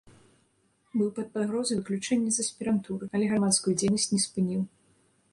Быў пад пагрозай выключэння з аспірантуры, але грамадскую дзейнасць не спыніў.